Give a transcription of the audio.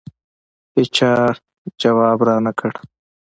هېچا ځواب رانه کړ.